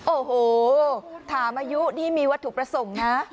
โอ้โหถามอายุนี่มีวัตถุประสงค์นะ